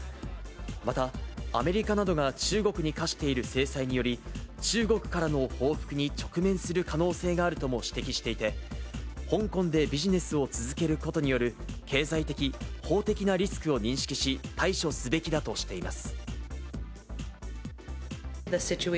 また、アメリカなどが中国に課している制裁により、中国からの報復に直面する可能性があるとも指摘していて、香港でビジネスを続けることによる経済的、法的なリスクを認識し、対処すべきだとしています。